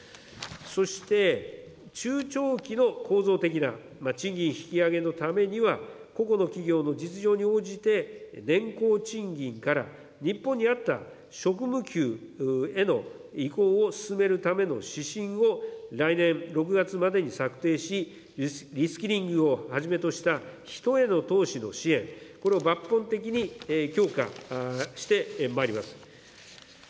そして、中長期の構造的な賃金引き上げのためには、個々の企業の実情に応じて、年功賃金から日本に合った職務給への移行を進めるための指針を、来年６月までに策定し、リスキリングをはじめとした人への投資の支援、これを抜本的に強化してまいります。